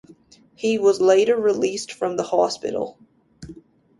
He was later released from the hospital.